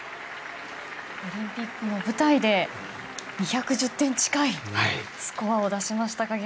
オリンピックの舞台で２１０点近いスコアを出しました。